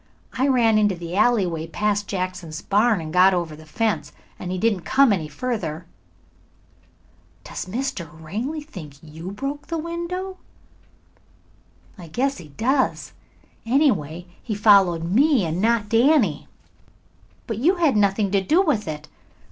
I ran into the alleyway past Jackson's barn, and got over the fence, and he didn't come any further." "Does Mr. Ringley think you broke the window?" "I guess he does. Anyway, he followed me and not Danny." "But you had nothing to do with it.